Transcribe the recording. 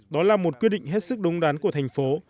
đó là một quyết định hết sức đúng đắn của thành phố